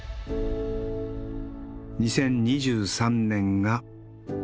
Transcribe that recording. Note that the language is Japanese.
２０２３年が。